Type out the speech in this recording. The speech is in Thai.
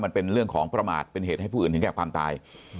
มันเป็นเรื่องของประมาทเป็นเหตุให้ผู้อื่นถึงแก่ความตาย